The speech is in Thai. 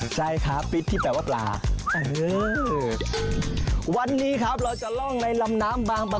สวัสดีครั้งโน้นโฟ